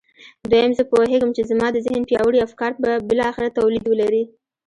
دويم زه پوهېږم چې زما د ذهن پياوړي افکار به بالاخره توليد ولري.